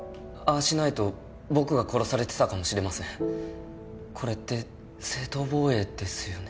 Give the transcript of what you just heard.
あしないと僕が殺されてたかもしれませんこれって正当防衛ですよね？